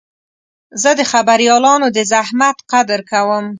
زه د خبریالانو د زحمت قدر کوم.